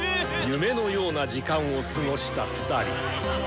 夢のような時間を過ごした２人。